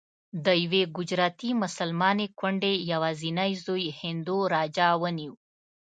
د یوې ګجراتي مسلمانې کونډې یوازینی زوی هندو راجا ونیو.